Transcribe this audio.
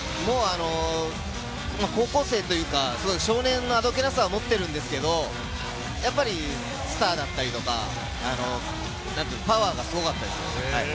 高校生というか、少年のあどけなさを持っているんですけど、やっぱりスターだったりとかで、パワーがすごかったです。